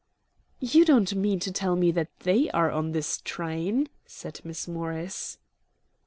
"You don't mean to tell me that THEY are on this train?" said Miss Morris.